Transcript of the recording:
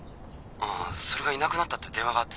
☎ああそれがいなくなったって電話があってさ。